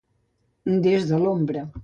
Des de l'ombra.